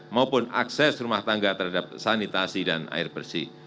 maupun akses rumah tangga terhadap sanitasi dan air bersih